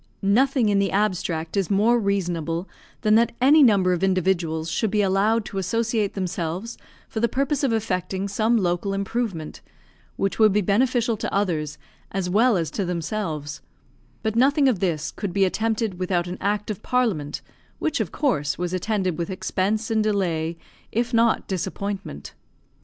Nothing in the abstract is more reasonable than that any number of individuals should be allowed to associate themselves for the purpose of effecting some local improvement, which would be beneficial to others as well as to themselves; but nothing of this could be attempted without an Act of Parliament, which, of course, was attended with expense and delay, if not disappointment.